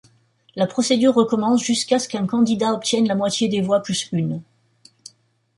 La procédure recommence jusqu'à ce qu'un candidat obtienne la moitié des voix, plus une.